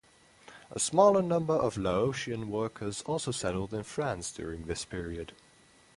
A smaller number of Laotian workers also settled in France during this period.